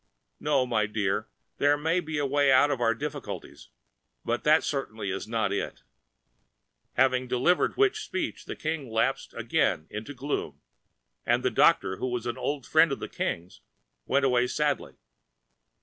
No, my dear, there may be a way out of our difficulties, but that certainly is not it." Having delivered which speech the King lapsed again into gloom, and the doctor who was an old friend of the King's went away sadly.